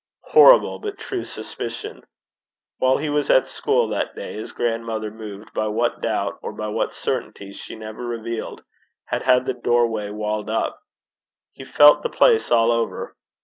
Horrible, but true suspicion! While he was at school that day, his grandmother, moved by what doubt or by what certainty she never revealed, had had the doorway walled up. He felt the place all over.